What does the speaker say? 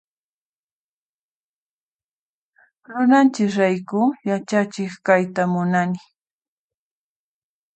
Runanchis rayku yachachiq kayta munani.